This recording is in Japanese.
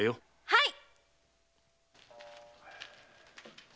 はい！